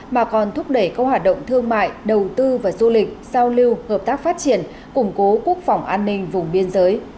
mà còn thúc đẩy các hoạt động thương mại đầu tư và du lịch giao lưu hợp tác phát triển củng cố quốc phòng an ninh vùng biên giới